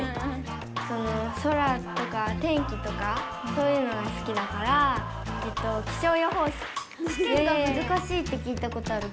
その空とか天気とかそういうのが好きだからしけんがむずかしいって聞いたことある。